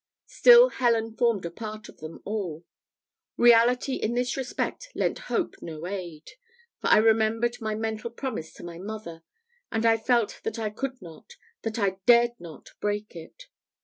Still Helen formed a part of them all. Reality in this respect lent hope no aid; for I remembered my mental promise to my mother, and I felt that I could not that I dared not break it.